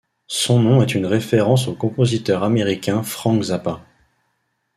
Son nom est une référence au compositeur américain Frank Zappa.